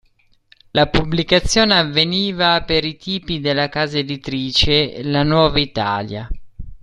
La pubblicazione avveniva per i tipi della casa editrice La Nuova Italia.